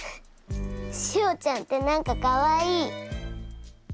しおちゃんって何かかわいい！